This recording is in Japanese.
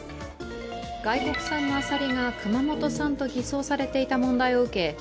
外国産のあさりが熊本産と偽装されていた問題を受け